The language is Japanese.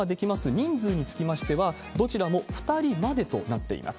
人数につきましては、どちらも２人までとなっています。